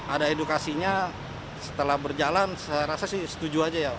ada edukasinya setelah berjalan saya rasa sih setuju aja ya